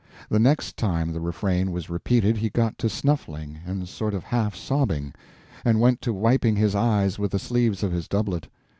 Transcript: The next time the refrain was repeated he got to snuffling, and sort of half sobbing, and went to wiping his eyes with the sleeves of his doublet.